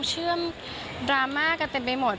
เชื่อมดราม่ากันเต็มไปหมด